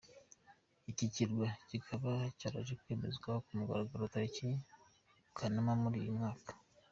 Iki kirwa kikaba cyaraje kwemezwa ku mugaragaro tariki Kanama muri uyu mwaka.